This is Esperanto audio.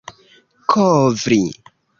kovri